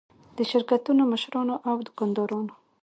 د شرکتونو مشرانو او دوکاندارانو.